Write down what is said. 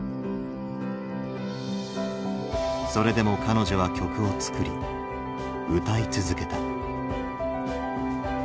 それでも彼女は曲を作り歌い続けた。